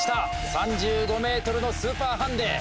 ３５ｍのスーパーハンデ。